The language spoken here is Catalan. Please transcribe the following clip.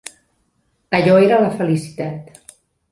Allò era la felicitat.